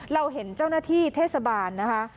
เราเห็นเจ้าหน้าที่เทศบาลนะคะ